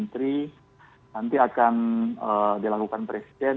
pemerintahan setingkat menteri nanti akan dilakukan presiden